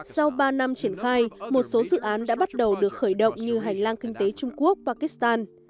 sau ba năm triển khai một số dự án đã bắt đầu được khởi động như hành lang kinh tế trung quốc pakistan